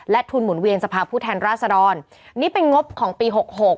ทุนหมุนเวียนสภาพผู้แทนราษดรนี่เป็นงบของปีหกหก